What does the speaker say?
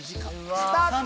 スタート！